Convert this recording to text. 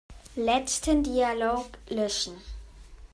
Letzten Dialog löschen.